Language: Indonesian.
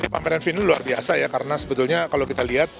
pameran vin ini luar biasa ya karena sebetulnya kalau kita lihat